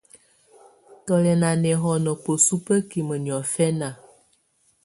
Tù yɛ́ ná nɛ́hɔnɔ bǝ́su bǝ́kimǝ niɔfɛna.